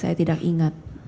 saya tidak ingat